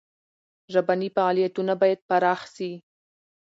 ژبني فعالیتونه باید پراخ سي.